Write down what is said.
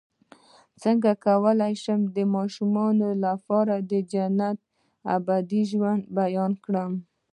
څنګه کولی شم د ماشومانو لپاره د جنت د ابدي ژوند بیان کړم